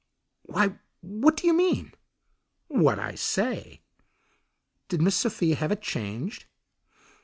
"Why, what do you mean?" "What I say." "Did Miss Sophia have it changed?"